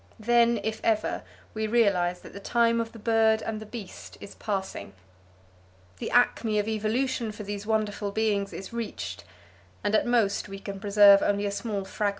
Then, if ever, we realize that the time of the bird and the beast is passing, the acme of evolution for these wonderful beings is reached, and at most we can preserve only a small fragment of them.